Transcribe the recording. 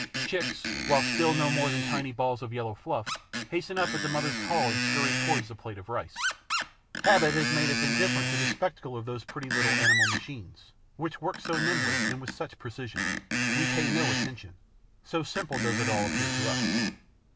Chicks, while still no more than tiny balls of yellow fluff, hasten up at the mother's call and scurry towards the plate of rice. Habit has made us indifferent to the spectacle of those pretty little animal machines, which work so nimbly and with such precision; we pay no attention, so simple does it all appear to us.